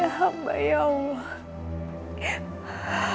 kepada hamba ya allah